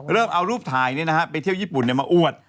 เอารูปถ่ายไปเที่ยวญี่ปุ่นมาอวด